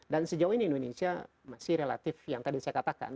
dan sejauh ini indonesia masih relatif yang tadi saya katakan